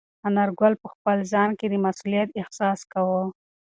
انارګل په خپل ځان کې د مسؤلیت احساس کاوه.